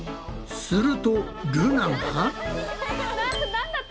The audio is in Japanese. するとルナが。